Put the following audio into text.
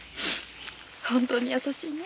本当に優しいね。